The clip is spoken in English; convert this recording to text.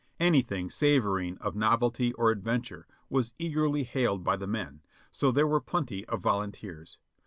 Anything savoring of novelty or adventure was eagerly hailed by the men, so there were plenty of volunteers.